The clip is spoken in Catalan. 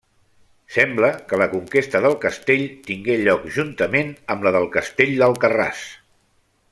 Sembla que la conquesta del castell tingué lloc juntament amb la del castell d'Alcarràs.